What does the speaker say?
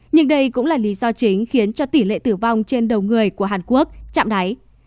nhưng đây cũng là lý do chính khiến cho tỷ lệ tử vong trên đầu người của hàn quốc chạm đáy